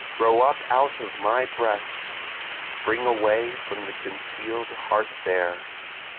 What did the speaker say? grow up out of my breast! Spring away from the conceal'd heart there!